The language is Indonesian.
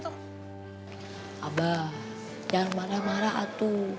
abah jangan marah marah atu